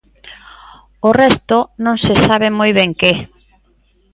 O resto, non se sabe moi ben que.